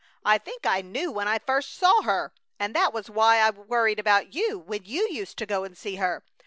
I think I knew when I first saw her, and that was why I worried about you when you used to go and see her.